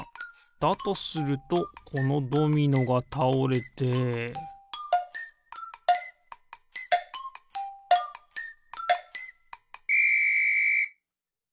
だとするとこのドミノがたおれてピッ！